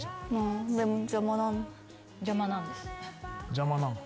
邪魔なんです。